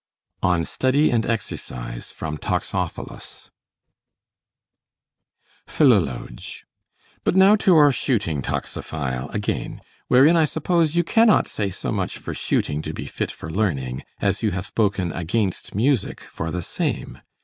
ON STUDY AND EXERCISE From 'Toxophilus' Philologe But now to our shooting, Toxophile, again; wherein I suppose you cannot say so much for shooting to be fit for learning, as you have spoken against music for the same.